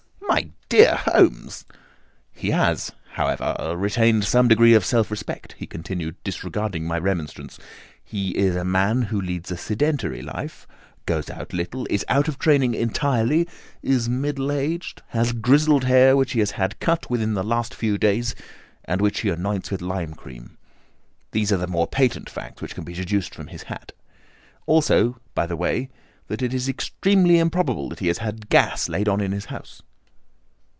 "My dear Holmes!" "He has, however, retained some degree of self respect," he continued, disregarding my remonstrance. "He is a man who leads a sedentary life, goes out little, is out of training entirely, is middle aged, has grizzled hair which he has had cut within the last few days, and which he anoints with lime cream. These are the more patent facts which are to be deduced from his hat. Also, by the way, that it is extremely improbable that he has gas laid on in his house."